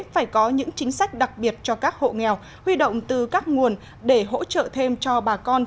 phải có những chính sách đặc biệt cho các hộ nghèo huy động từ các nguồn để hỗ trợ thêm cho bà con